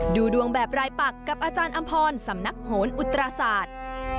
ดูดวงแบบรายปักกับอาจารย์อำพรสำนักโหนอุตราศาสตร์